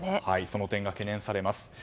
その点が懸念されます。